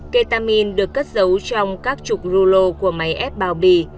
ketamin được cất giấu trong các trục rulo của máy ép bao bì